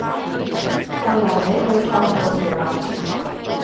就由你去創造潮流！